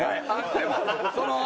でもその。